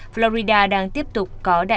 florida đang tiếp tục có